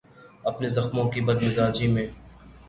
اپنے زخموں کی بد مزاجی میں